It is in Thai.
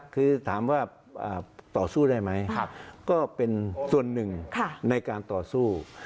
คือถามว่าต่อสู้ได้ไหมก็เป็นส่วนหนึ่งในการต่อสู้